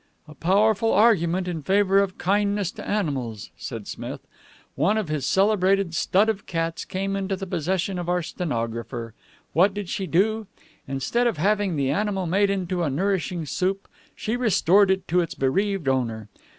"A powerful argument in favor of kindness to animals!" said Smith. "One of his celebrated stud of cats came into the possession of our stenographer. What did she do? Instead of having the animal made into a nourishing soup, she restored it to its bereaved owner.